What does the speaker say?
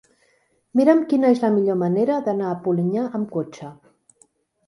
Mira'm quina és la millor manera d'anar a Polinyà amb cotxe.